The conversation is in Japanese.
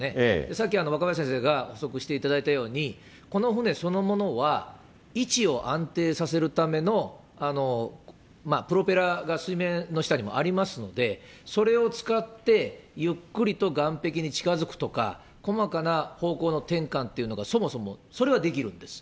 さっき、若林先生が補足していただいたように、この船そのものは位置を安定させるためのプロペラが水面の下にもありますので、それを使ってゆっくりと岸壁に近づくとか、細かな方向の転換というのはそもそも、それはできるんです。